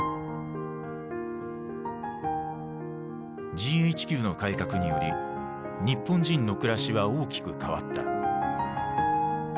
ＧＨＱの改革により日本人の暮らしは大きく変わった。